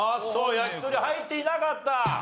焼き鳥入っていなかった。